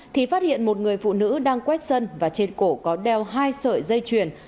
thì phát hiện một người phụ nữ đang quét sân và trên cổ có đeo hai sợi dây chuyền